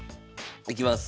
いきます。